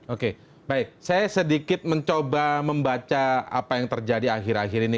oke baik saya sedikit mencoba membaca apa yang terjadi akhir akhir ini